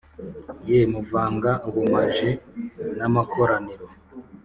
Ye muvanga ubumaji n amakoraniro